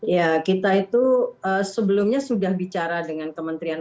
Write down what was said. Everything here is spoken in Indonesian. ya kita itu sebelumnya sudah bicara dengan kementerian